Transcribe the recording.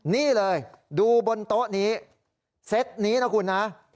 นี่เลยดูบนโต๊ะนี้เซ็ตนี้นะคุณนะ